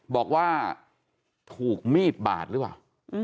บอกว่าถูกมีดบาดหรือเปล่า